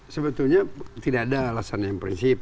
sebetulnya tidak ada alasan yang prinsip